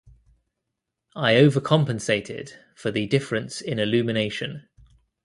I overcompensated for the difference in illumination.